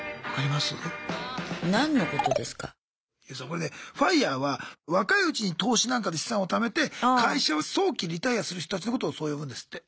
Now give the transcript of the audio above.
これねＦＩＲＥは若いうちに投資なんかで資産を貯めて会社を早期リタイアする人たちのことをそう呼ぶんですって。